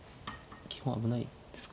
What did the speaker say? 銀は危ないですか。